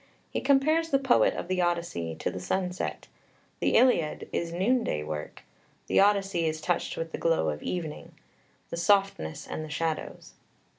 He compares the poet of the Odyssey to the sunset: the Iliad is noonday work, the Odyssey is touched with the glow of evening the softness and the shadows.